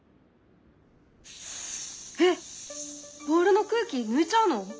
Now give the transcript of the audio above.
えっボールの空気抜いちゃうの？